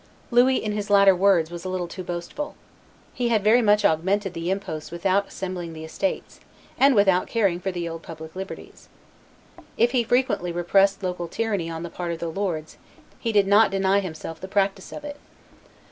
Louis, in his latter words, was a little too boastful. He had very much augmented the imposts without assembling the estates, and without caring for the old public liberties. If he frequently repressed local tyranny on the part of the lords, he did not deny himself the practice of it.